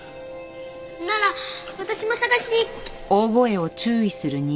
なら私も捜しに。